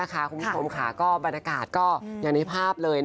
คุณผู้ชมค่ะก็บรรยากาศก็อย่างในภาพเลย